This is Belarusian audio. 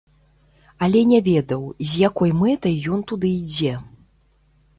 Але не ведаў, з якой мэтай ён туды ідзе.